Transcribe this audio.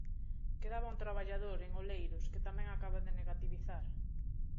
Quedaba un traballador, en Oleiros, que tamén acaba de negativizar.